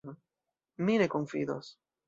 Mi ne konfidos.